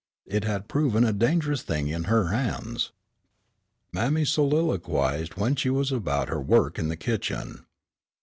It had proven a dangerous thing in her hands. Mammy soliloquized when she was about her work in the kitchen.